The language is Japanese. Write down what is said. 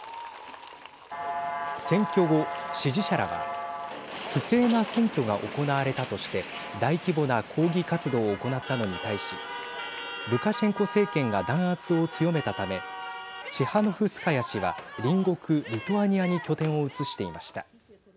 選挙後支持者らは不正な選挙が行われたとして大規模な抗議活動を行ったのに対しルカシェンコ政権が弾圧を強めたためチハノフスカヤ氏は隣国リトアニアに拠点を移していました。